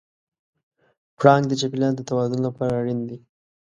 پړانګ د چاپېریال د توازن لپاره اړین دی.